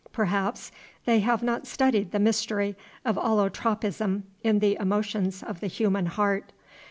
Perhaps they have not studied the mystery of allotropism in the emotions of the human heart.